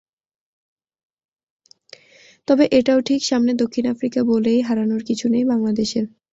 তবে এটাও ঠিক, সামনে দক্ষিণ আফ্রিকা বলেই হারানোর কিছু নেই বাংলাদেশের।